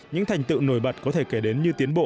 những thành tựu nổi bật có thể kể đến như tiến bộ